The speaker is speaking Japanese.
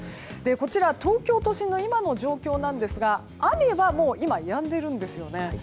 こちら、東京都心の今の状況なんですが雨は今、やんでいるんですよね。